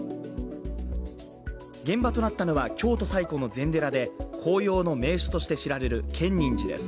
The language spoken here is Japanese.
現場となったのは京都最古の禅寺で紅葉の名所として知られる建仁寺です。